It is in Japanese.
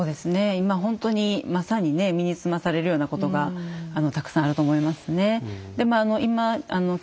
今ほんとにまさにね身につまされるようなことがたくさんあると思いますね。